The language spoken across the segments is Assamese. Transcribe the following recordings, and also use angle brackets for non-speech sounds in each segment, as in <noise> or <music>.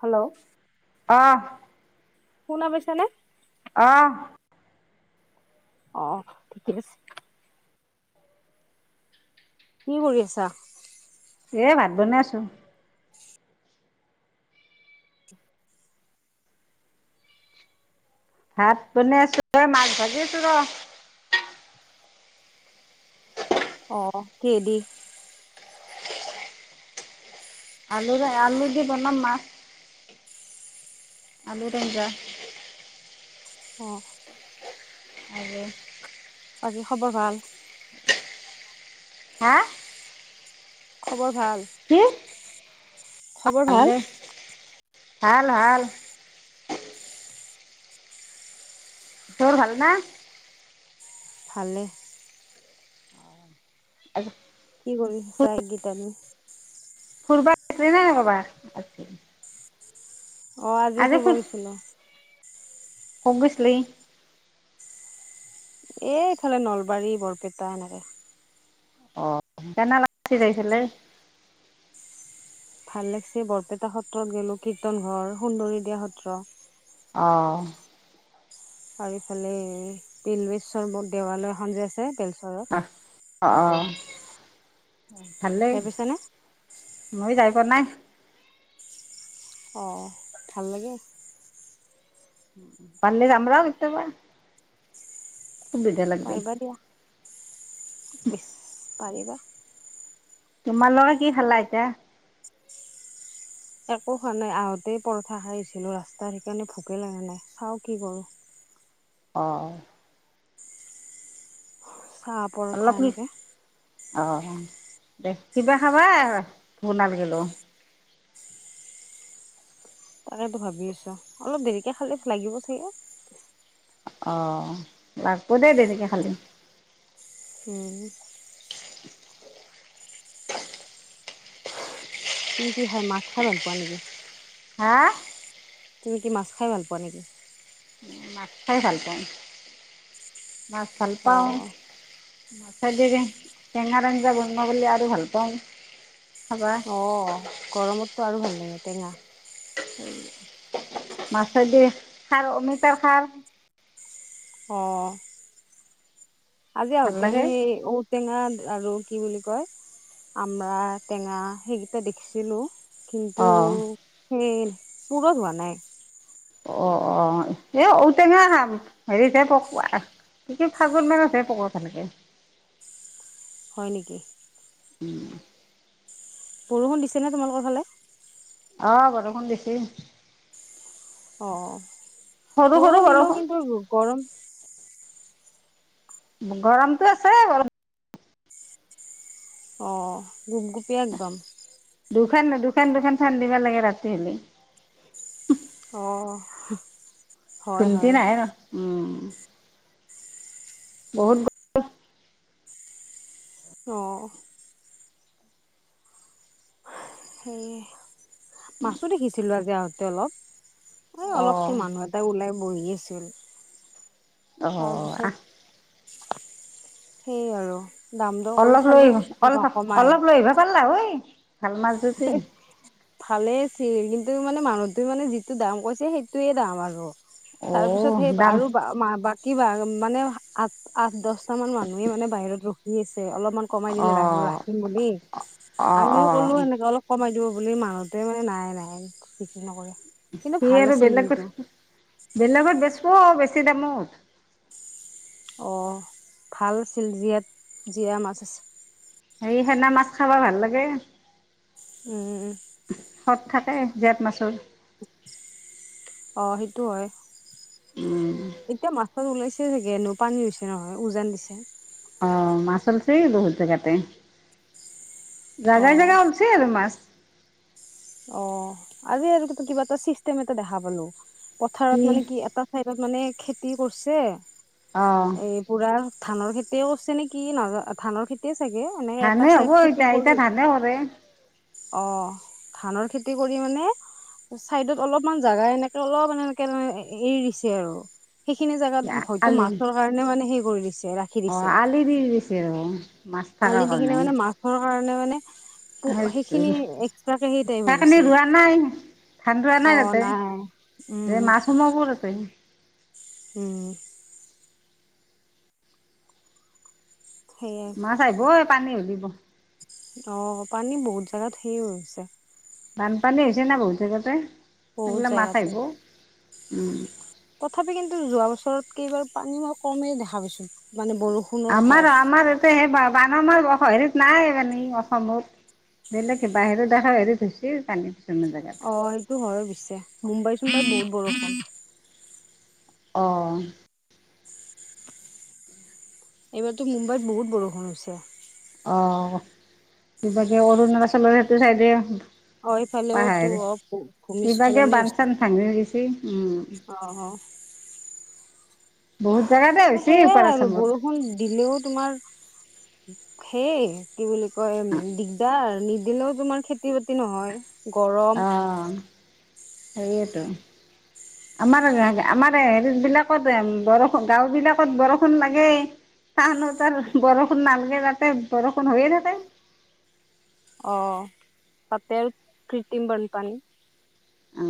হেল্ল' অ'! শুনা পাইছানে? অ অ ঠিকে আছে। কি কৰি আছা? এ ভাত বনাই আছো। ভাত বনাই আছো, মাছ ভাজি আছো ৰ। অ কিহে দি? আলুৰে, আলু দি বনাম মাছ। আলুৰ আঞ্জা অ আৰু বাকী খবৰ ভাল? হা খবৰ ভাল? কি অ ভাল দে ভাল-ভাল। তোৰ ভাল না? ভালেই। আৰু কি কৰিছা এই কিতানি ফুৰিব গলি নে নাই ক'ৰবাত? আজি অ আজি ফুৰিব গৈছিলো কত গৈছিলি এ এইফালে নলবাৰী বৰপেটা এনেকে অ কেনে লাগছে যাই পেলাই ভাল লাগিছে বৰপেটা সত্ৰত গলো কীৰ্তন ঘৰ সুন্দৰী দিয়া সত্ৰ অ আৰু ইফালে তিলেশ্বৰ দেৱালয় এখন যে আছে বেলচৰত আহ অ তাতে। অ ভালেই। যাই পাইছানে? মই যাই পোৱা নাই। অ ভাল লাগে পাৰিলে যাম ৰ কেতিয়াবা সুবিধা লাগিবই ইচ পাৰিবা। তোমাৰ লোকে কি খালা এতিয়া? একো খোৱা নাই আহোঁতেই পৰঠা খাই আহিছিলো ৰাস্তাত সেইকাৰণে ভোকে লাগে নাই চাও কি কৰো অ চাহ পৰঠা এনেকে অহ দে কিবা খাবা ভোক নালাগিলো তাকেতো ভাবি আছো অলপ দেৰিকে খালে লাগিব চাগে অ লাগব দেই দেৰিকে খালে উম তুমি কি খায় মাছ খাই ভাল পোৱা নেকি হা তুমি কি মাছ খাই ভাল পোৱা নেকি মাছ খাই ভাল পাও মাছ ভাল অ পাও চ টেঙাৰ আঞ্জা বনোৱা বুলি আৰু ভাল পাও অ গৰমতটো আৰু ভাল লাগে টেঙা মাছে দি খাৰ অমিতাৰ খাৰ। অ আজি ভাল আহোতে লাগে আমি ঔ টেঙা আৰু কি বুলি কয় আমৰা টেঙা সেইকেইটা দেখিছিলো কিন্তু অঁ সেই পুৰথ হোৱা নাই। অ অ এ ঔটেঙা হেৰিতে পক সিটো ফাগুন মানতহে পকে ভালকে। হয় নেকি। <unintelligible> বৰষুণ দিছে নে তোমালোকৰ ফালে। অ বৰষুণ দিছে। অ সৰু সৰু বৰষুণ দিলেও কিন্তু গৰম, গৰমতো আছে অলপ, অ গুপ গুপিয়া একদম। দুখান দুখন দুখন ফেন দিব লাগে ৰাতি হলে। অহ, খুমটি নাহে ন উম বহুত অ, সেই মাছো দেখিছিলো আজি আহোঁতে অলপ এই অলপকে অঁ মানুহ এ এটা ওলাই বহি আছিল। অহ তাৰ পিছত আহ, সেয়ে আৰু দাম দৰ কৰি অলপ লৈ চালো আহ অল নকমাই অলপ লৈ আহিব পাৰলা হয় ভাল মাছ যদি। ভালেই আছিল কিন্তু মানে মানুহটো মানে যিটো দাম কৈছে সেইটোয়ে দাম আৰু তাৰ পিছত অঁ সেই দাম আৰু বা <unintelligible> কিবা মানে আঠ আঠ দছটা মান মানুহে মানে বাহিৰত ৰখ আছে অলপমান কমাই দিলো অঁ ৰাখিম বুলি, অঁ আমিও অঁ কলো এনেকে, অলপ কমাই দিব বুলি মানুহটোৱে মানে নাই নাই বিকি নকৰে। কিন্তু সি ভাল আৰু আছিল কিন্তু বেলেগত বেলেগত বেচিব বেছি দামত। অহ ভাল আছিল জীয়া জীয়া মাছ আচিল। এই সেনা মাছ খাবা ভাল লাগে। উম সত থাকে জেঠ মাছৰ, অ সেইটো হয় এতিয়া মা, ত ওলাইছে চাগে এনেও পানী হৈছে নহয় উজান দিছে। অ মাছ ওলাইছে বহুত জেগাতে অ জাগাই জাগাই ওলাইছে আৰু মাছ। অ আজি কিবা এটা চিষ্টেম এটা দেখা পালো, পথাৰত মানে কি এটা, চাইডত মানে খেতি কৰিছে। অঁ এই পুৰা ধানৰ খেতিয় কৰিছে নেকি নহ ধানৰ খেতিয়ে চাগে এনে ধানে হ'ব এতিয়া এতিয়া ধানে কৰে। অ ধানৰ খেতি কৰি মানে চাইডত অলপমান জাগা এনেকে অলপমান এনেকে এৰি দিছে আৰু সেইখিনি জোগাত হয়তো আলি মাছৰ কাৰণে মানে সেই কৰি দিছে ৰাখি দিছে। এৰি এৰি দিছে মাছ, থকাৰ আলি দি কিনে কাৰণে মানে মাছৰ কাৰণে মানে প সেইখিনি এক্সট্ৰাকে সেই টাইপ হৈ সেইখিনি গৈছে। ৰোৱা নাই, ধান অ নাই উম উম <unintelligible> আছে। উম। সেয়াই। নাচাই ব এই পানী উলিব। অ পানী বহুত জাগাত সেৰ হৈছে। বানপানী হৈছে না বহুত জেগাতে বহুত সেইবিলাক মাছ জেগাতে আহিব। তথাপি কিন্তু যোৱা বছৰত কেইবাৰ পানী মই কমেই দেখা পাইছো, মানে বৰষুণ আমাৰ আমাৰ এতে সেই বানাৰ <unintelligible> হেৰিত নাই মানী অসমত। বেলেগক বাহিৰ দেখা হেৰি ধুছি পানী কিছুমান জেগাত। অ সেইটো হয় পিছে, মুম্বাইত চুম্বাইৰ বহুত বৰষুণ। অ এইবাৰতো মুম্বাইত বহুত বৰষুণ হৈছে। অ কিবাকে অৰুণাচলৰ সেইটো চাইডে অ এইফালেওতো পাহাৰৰ অ কিবাকে ভূমিস্খলনে বান হৈছে। চান ভাঙি গৈচি উম। অ অ। বহুত জেগাতে হৈছে সেয়াই উপাৰ আৰু আচামত বৰ‌ ষুণ দিলেও তোমাৰ সেই কি বুলি কয় দিগদাৰ নিদিলেও তোমাৰ খেতি বাতি নহয়। গৰম অহ সেইয়েটো। <unintelligible> আমাৰ আমাৰ হেৰি বিলাকত বৰষু গাওঁ বিলাকত বৰষুণ লাগে। চানুহতাৰ বৰষুণ নালগে তাতে বৰষুণ হৈয়ে থাকে। অ তাতে আৰু কৃত্ৰিম বানপানী অ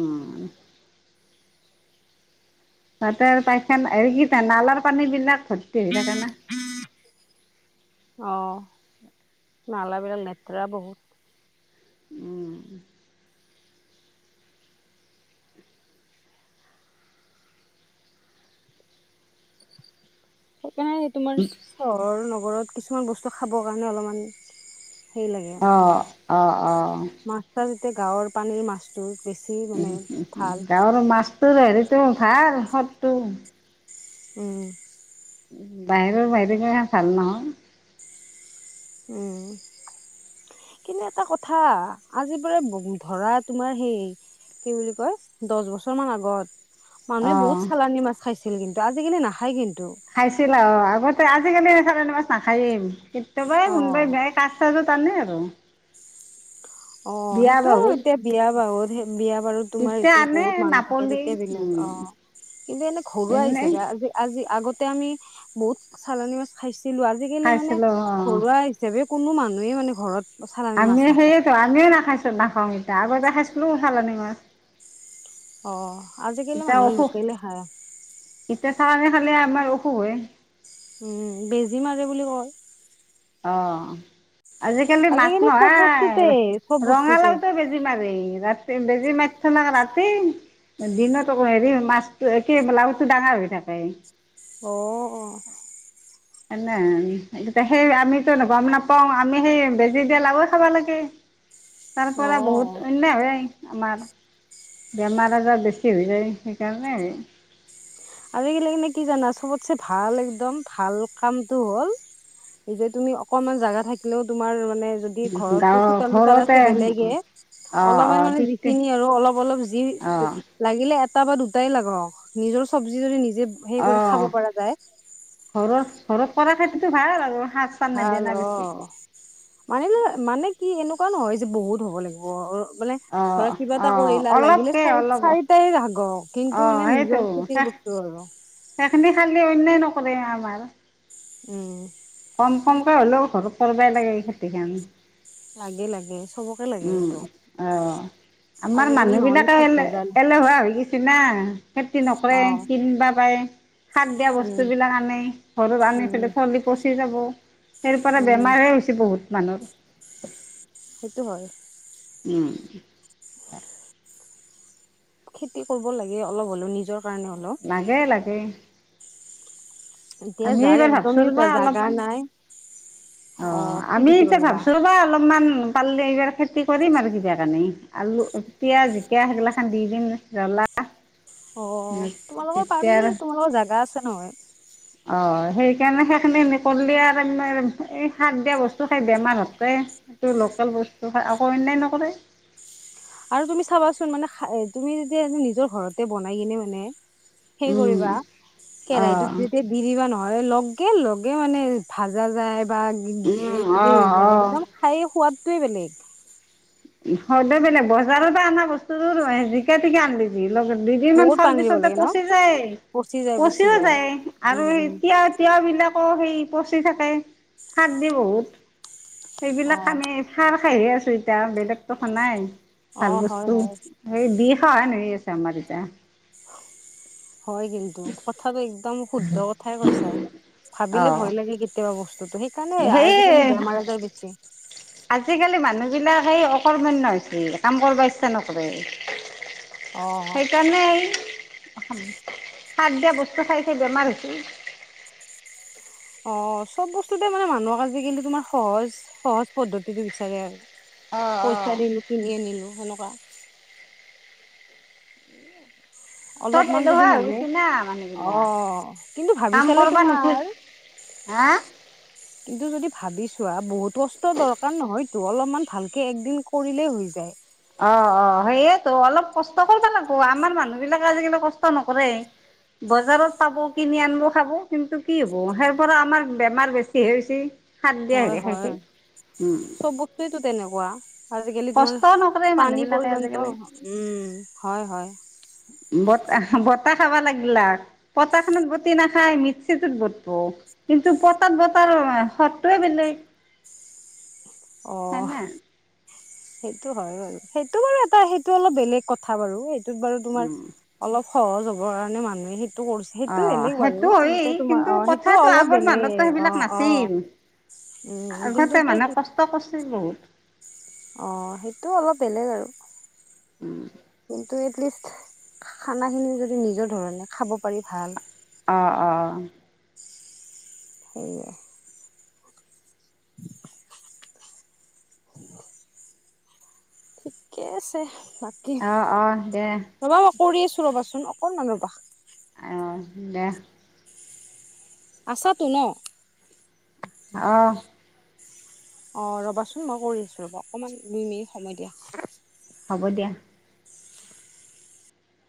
তাতে আৰু পাইপখান এই কি নালাৰ পানী বিলাক ভৰ্তি হৈ থাকে না। অ নালাবিলাক লেতেৰা বহুত। উম সেইকাৰণে তোমাৰ চহৰৰ নগৰত- কিছুমান বস্তু খাবৰ কাৰণে অলপমান হেৰি লাগে। অ অ অ মাছ ছাছ এতিয়া গাঁৱৰ পানীৰ মাছটো বেছি। উম মানে উম ভাল। গাঁৱৰ মাছটোৰ হেৰিতটো ভাল সদটো। উম। বাহিৰৰ বাহিৰৰ গিলা ভাল নহয়। উম। কিন্তু এটা কথা আজি পৰা ধৰা তোমাৰ সেই কি বুলি কয় দছ বছৰ মান আগত মানুহে বহুত অ চালানি মাছ খাইছিল কিন্তু, আজিকালি নাখায় কিন্তু। খাইছিল আ, আগতে আজিকালি চালনি মাছ নাখাই কেতিয়াবা অ কোনবাই বেয়াকে কাচ ছাইজৰ তানে আৰু <unintelligible> অ বিয়া সেইটো আৰু বাহুত এতিয়া বিয়া বাৰুত বিয়া বাৰুত তোমাৰ তেতিয়া এইটো আনে বহুত মানুহ থাকে নাপলি তেতিয়া বেলেগ উম অ। কিন্তু এনে ঘৰুৱা এনেই হিচাপে আজি আজি আগতে আমি বহুত চালানী মাছ খাইছিলো আজিকালি মানে খাইছিলো অ ঘৰুৱা- চেভে কোনো মানুহে মানে ঘৰত- চালানী মাছ আমি নাখায় সেইয়েতো আমিও নাখাইছো নাখাওঁ এতিয়া আগতে খাইছিলো চালানী মাছ- অ আজিকালি এতিয়া মানুহে অসুখ লোকেলে খায়। এতিয়া চাহে খালে আমাৰ অসুখে। উম বেজি মাৰে বুলি কয়। অ আজিকালি মাছ চব বস্তুতে চব নহয় বস্তুতে। ৰঙালাওটে বেজি। বেজি মাৰি ৰাতি বেজি মাৰিথই না ৰাতি- দিন আকৌ হেৰি মাছটো কি লাওটো ডাঙাৰ হৈ থাকে। অ অ নে এতিয়া সেই আমিতো গম নাপাওঁ আমি সেই বেজি দিয়ে লাবৈ খাব লাগে। <unintelligible> তাৰ পৰা বহুত অ'। অন্য হয়। আমাৰ বেমাৰ আজাৰ বেছি হৈ যায় সেইকাৰণে। আৰু এইগিলাক কি জানা চবতছে ভাল একদম ভাল কামটো হ'ল। এই যে তুমি অকনমান জাগা থাকিলেও তোমাৰ- মানে যদি ঘৰতো গাঁৱৰ চোতাল তোতাল ঘৰতে আছে বেলেগে- অঁ অলমে অঁ মানে ঠিক ঠিক যিখিনি আৰু অলপ অলপ যি- অঁ লাগিলে এটা বা দুটাই লাগক নিজৰ চব্জি যদি নিজে হে কৰি অঁ খাব পৰা যায়। ঘৰৰ ঘৰ কৰা খেতিতো ভাল আৰু সাজ, ভাল অ মানিলে মানে কি এনেকুৱা নহয় যে বহুত হ'ব লাগিব। মানে অঁ ধৰা কিবা এটা অঁ কৰিলা লাগিলে অলপকে চাৰ অলপ চাৰিটাই লাগক। কিন্তু অঁ মানে সেইটো নিজৰ খেতিৰ শেষ বস্তু আৰু সেইখিনি খালি অন্যায় নকৰে আমাৰ। উম। কম কমকৈ হ'লেও ঘৰত কৰিবই লাগে খেতি কাম। লাগে লাগে চবকে লাগে উম এইটো অ আমাৰ আজিকালি মানুহ নহ'লে বিলাকে চব ভেজাল হোৱা হৈগিছে না খেতি নকৰে অ কিনবা পাই। সাৰ দিয়া উম বস্তুবিলাক আনে ঘৰত আনি উম পিলাই থলি পচি যাব সেই পৰা উম বেমাৰে, হৈছে বহুত মানুৰ, সেইটো হয়। উম, খেতি কৰিব লাগে অলপ হ'লেও নিজৰ কাৰণে হ'লও। <unintelligible> লাগে। এতিয়া আমি যাৰ এইবাৰ ভাবছো একদমেই জাগা নাই। অ, কি আমি খেতি এতিয়া কৰিবা ভাবছো ৰবা অলপমান পালে এইবাৰ খেতি কৰিম আৰু কিবা কাৰানি আলু পিঁয়াজ জিকীয়া সেইগিলাখান দি দিম জ্বলা অ, তোমালোকৰ পাৰি তেতিয়া তোমালোকৰ জাগা আছে ন। অ, সেইকাৰণে সেইখিনি কৰিলে আৰু এই খাৰ দিয়া বস্তু খাই বেমাৰ হৈছে সেইটো লোকেল বস্তু আকৌ অন্যায় নকৰে। আৰু তুমি চাবাচোন মানে তুমি যেতিয়া নিজৰ ঘৰতে বনাই কিনে মানে, সেই উম, কৰিবা অ' কেৰাহীটোত যেতিয়া- বিৰিবা নহয় লগে লগে মানে ভাজা যায় বা উম, হেৰি অ' হৈ যায় অ' একদম খাই সোৱাদটোৱে বেলেগ, সদ বেলেগ বজাৰত আনা বস্তু তোৰ জিকা টিকা আনিলি। দু লগে দুদিন মান বহুত থোৱাৰ পানী দিব পিছতে লাগে ন পচি যায়। পচি যায় পচি পচিও যায় আৰু উম উম এতিয়া। তিয় বিলাকো সেই পচি থাকে শাক দি বহুত অ সেইবিলাক আনে। খাৰ খাইহে আছো এতিয়া বেলেগতো খোৱা নাই অ ভাল হয় বস্তু। হয় এই বিষা ন আছে আমাৰ এতিয়া <unintelligible> হয় কিন্তু কথাটো একদম শুদ্ধ কথাই কৈছা। ভাবিলে অ', ভয় লাগি গে তা বস্তুতো সেইকাৰণে সেই আজিকালি বেমাৰ আজাৰ বেছি। আজিকালি মানুহ বিলাক এই অকমানণ্য হৈছে কাম কৰিব ইচ্ছা নকৰে। <inaudible> সেইকাৰণে এই সাৰ দিয়া বস্তু খাইছে বেমাৰ হৈছে। অ, চব বস্তুতে মানে মানুহক আজিকালি তোমাৰ সহজ সহজ পদ্ধতিটো বিচাৰে আৰু অ', অ'। পইচা দিলো কিনি আনিলো সেনেকুৱা। চব অলপমান যদি এলেহুৱা হৈ মানুহে গৈছে না মানুহবিলাক অ', কিন্তু ভাবি কাম চালে কৰবা তোমাৰ নোখোজ হা, কিন্তু যদি ভাবিছোৱা বহুত অস্ত্ৰৰ দৰকাৰ নহয়। টো অলপমান ভালকে একদিন কৰিলেই হৈ যায়। অ অ সেইয়েতো অলপ কষ্ট কৰিব লাগ ব আমাৰ মানুহ বিলাক আজিকালি কষ্ট নকৰেই। বজাৰত পাব কিনি আনিব খাব কিন্তু কি হ'ব সেই পৰা আমাৰ বেমাৰ বেছি হৈছে। খাদ দিয়া হে খাই খেই উম, টো তেনেকুৱা। আজিকালি তোমাৰ কষ্টও নকৰে পানী মানুহবিলাকে পৰ্যন্ত আজিকালি। উম, হয় হয়। বতাহ বতাহ খাবা লাগিলাক পতা খত বটি নাখায় মিক্সিটোত বটবো। কিন্তু পটাত বতাৰ সতটোয়ে বেলেগ। অ। হয়নে সেইটো হয় বাৰু সেইটো বাৰু এটা সেইটো অলপ বেলেগ কথা বাৰু এট- ত বাৰু তোমাৰ উম অলপ সহজ হ'ব কাৰণে মানুহে সেইটো কৰিছ- অ সেইটো বেলেগ বাৰু সেইটো হয়েই তেন্তে তোমাৰ কিন্তু অ, সেইটো কথাটো অলপ আগৰ মানুহতো বেলেগ অ সেইবিলাক অ নাছিল উম, কিন্তু এতিয়া সানা কি কষ্ট কৰিছিল বহুত। অ, সেইটো অলপ বেলেগ আৰু কিন্তু এটলিষ্ট খানা খিনিও যদি নিজৰ ধৰণে খাব পাৰি ভাল। অ অ সেইয়ে ঠিকে আছে ব অ অ দে। ৰবা মই কৰি আছো ৰ'বাচোন অকণ মান ৰবা। আইয়, দে। আছাতো ন। অ। অ ৰ'বাচোন মই কৰি আছো ৰ'ব অকমান দুই মিনিট সময় দিয়া। হ'ব দিয়া।